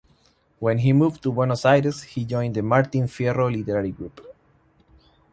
When he moved to Buenos Aires he joined the Martin Fierro Literary Group.